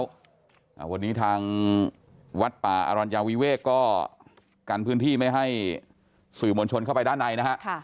วันนี้ทางวัดป่าอรัญญาวิเวกก็กันพื้นที่ไม่ให้สื่อมวลชนเข้าไปด้านในนะฮะค่ะ